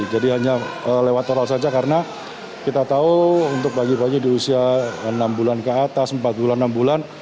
jadi hanya lewat oral saja karena kita tahu untuk bayi bayi di usia enam bulan ke atas empat bulan enam bulan